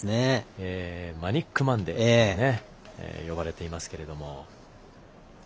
マニックマンデーと呼ばれてますけれども。